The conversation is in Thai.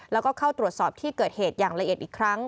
แล้วก็เข้าตรวจสอบที่เกิดเหตุอย่างละเอียดอีกครั้ง